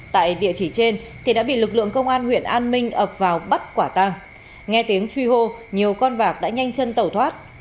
tại địa chỉ trên thì đã bị lực lượng công an huyện an minh ập vào bắt quả tang nghe tiếng truy hô nhiều con bạc đã nhanh chân tẩu thoát